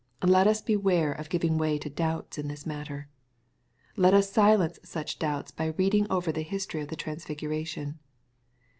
Let us beware of giving way to doubts in this matter. Let us silence such doubts by reading over the history of the transfiguration.